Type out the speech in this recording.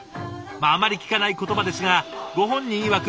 まああまり聞かない言葉ですがご本人いわく